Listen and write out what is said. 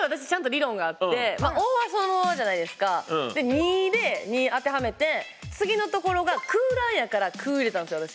２で「に」当てはめて次のところが空欄やから「く」入れたんですよ私。